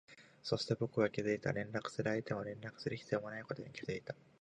そして、僕は気づいた、連絡する相手も連絡する必要もないことに気づいた